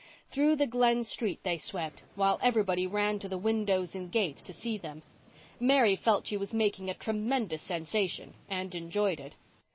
Through the Glen street they swept, while everybody ran to the windows and gates to see them. Mary felt she was making a tremendous sensation and enjoyed it.